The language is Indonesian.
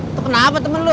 itu kenapa temen lo